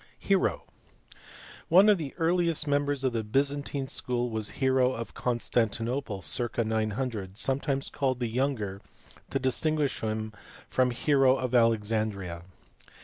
Hero. One of the earliest members of the Byzantine school was Hero of Constantinople, circ. 900, sometimes called the younger to distinguish him from Hero of Alexandria.